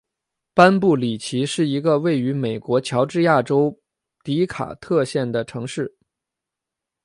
班布里奇是一个位于美国乔治亚州迪卡特县的城市。